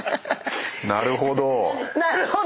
なるほど。